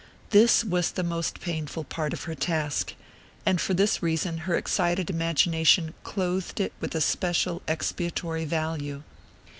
This was the most painful part of her task, and for this reason her excited imagination clothed it with a special expiatory value.